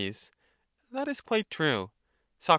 That is quite true. Soc.